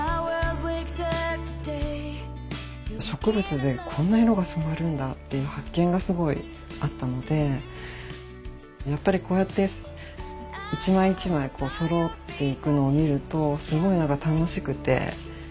植物でこんな色が染まるんだっていう発見がすごいあったのでやっぱりこうやって一枚一枚こうそろっていくのを見るとすごいなんか楽しくて。